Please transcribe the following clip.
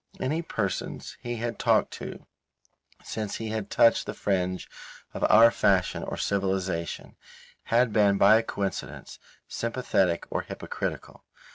Any persons he had talked to since he had touched the fringe of our fashion or civilization had been by a coincidence, sympathetic or hypocritical.